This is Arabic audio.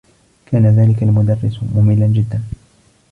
كان ذلك المدرّس مملاّ جدّا.